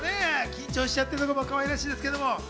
緊張しちゃってるところもかわいらしいです。